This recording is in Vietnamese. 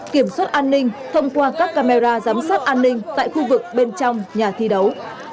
kiểm soát an ninh thông qua các camera giám sát an ninh tại khu vực bên trong nhà thi đấu